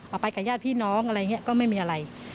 ไปกับญาติพี่น้องอะไรอย่างนี้ก็ไม่มีอะไร